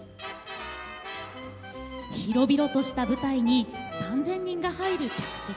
広々とした舞台に３，０００人が入る客席。